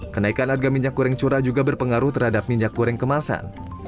kenaikan harga minyak goreng curah juga berpengaruh terhadap minyak goreng kemasan